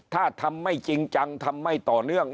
ถ้าทำไม่จริงจังทำไม่ต่อเนื่อง